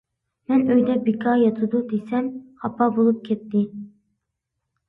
مەن «ئۆيدە بىكار ياتىدۇ» دېسەم خاپا بولۇپ كەتتى.